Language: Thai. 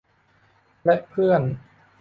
และเพื่อน